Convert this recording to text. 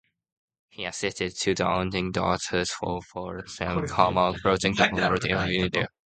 He assisted two daunting daughters of Poet Sufia Kamal crossing the border to India.